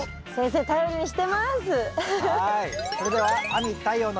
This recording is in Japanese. はい。